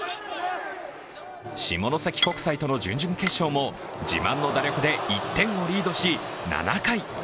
下関国際との準々決勝も自慢の打力で１点をリードし７回。